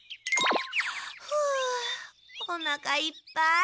ふおなかいっぱい。